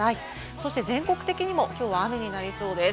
そして全国的にもきょうは雨になりそうです。